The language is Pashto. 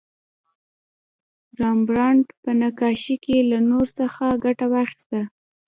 رامبراند په نقاشۍ کې له نور څخه ګټه واخیسته.